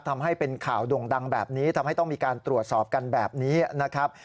ทำให้เป็นข่าวด่งดังแบบนี้ทำให้ต้องมีการตรวจสอบกันแบบนี้นะครับ